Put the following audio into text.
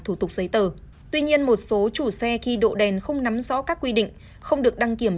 thủ tục giấy tờ tuy nhiên một số chủ xe khi độ đèn không nắm rõ các quy định không được đăng kiểm